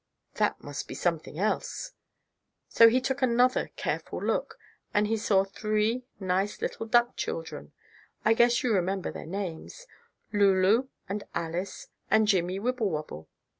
That must be something else." So he took another careful look, and he saw three nice little duck children I guess you remember their names Lulu and Alice and Jimmie Wibblewobble.